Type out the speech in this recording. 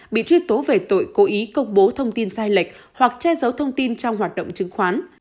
bị truy tố về tội cố ý công bố thông tin sai lệch hoặc che giấu thông tin trong hoạt động chứng khoán